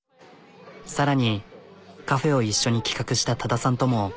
さらにカフェを一緒に企画した多田さんとも。